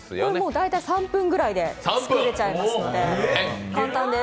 大体３分ぐらいで作れちゃいますので、簡単です。